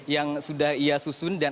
yang sudah ia susun